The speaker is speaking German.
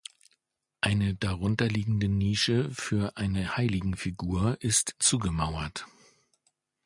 Eine darunterliegende Nische für eine Heiligenfigur ist zugemauert.